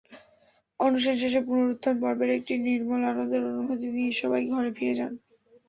অনুষ্ঠান শেষে পুনরুত্থান পর্বের একটি নির্মল আনন্দের অনুভূতি নিয়ে সবাই ঘরে ফিরে যান।